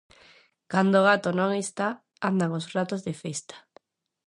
Cando o gato non está, andan os ratos de festa.